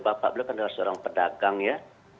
bapak beliau kan adalah seorang pedagang ya